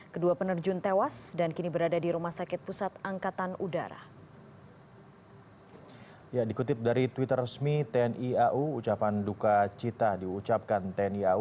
kedua penerjun tewas dan kini berada di rumah sakit pusat angkatan udara